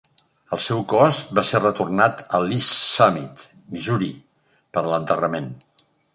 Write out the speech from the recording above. El seu cos va ser retornat a Lee's Summit, Missouri, per a l'enterrament.